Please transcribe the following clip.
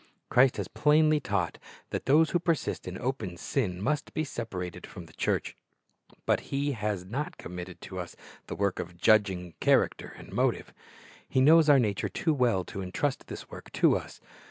Christ has plainly taught that those who persist in open sin must be separated from the church; but He has not committed to us the work of judging character and motive. He knows our nature too well to entrust this work to us.